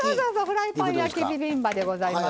フライパン焼きビビンバでございますわ。